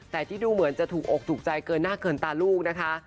แต่ที่ดูเหมือนจะถูกอกถูกใจเกินหน้าเกินตาลูกนะคะ